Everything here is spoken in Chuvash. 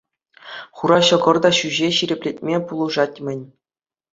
Хура ҫӑкӑр та ҫӳҫе ҫирӗплетме пулӑшать-мӗн.